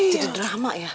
jadi drama ya